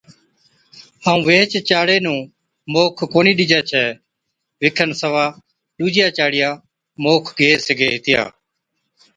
ائُون ويھِچ چاڙَي نُون موک ڪونھِي ڏِجَي ڇَي، وِکن سِوا ڏُوجِيا چاڙِيا موک گيھ سِگھي ھِتيا